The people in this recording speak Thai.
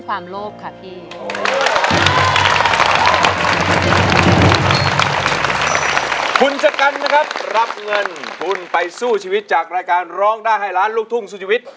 ขอบคุณไปสู้ชีวิตจากรายการร้องได้ให้ร้านลูกทุ่งสู่ชีวิต